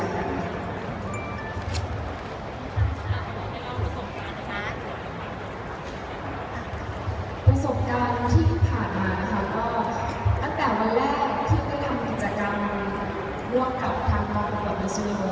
ประสบการณ์ที่ผ่านมานะคะก็ตั้งแต่วันแรกที่ก็ทำกิจกรรมร่วมกับทางมรสุม